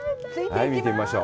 見てみましょう。